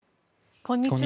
こんにちは。